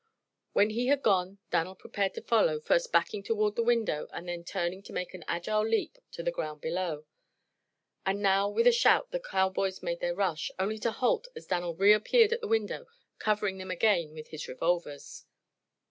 When he had gone Dan'l prepared to follow, first backing toward the window and then turning to make an agile leap to the ground below. And now with a shout the cowboys made their rush, only to halt as Dan'l reappeared at the window, covering them again with his revolvers.